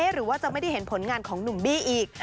หรือว่าจะไม่ได้เห็นผลงานของหนุ่มบี้อีก